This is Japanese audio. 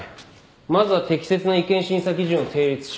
まずは適切な違憲審査基準を定立しろ。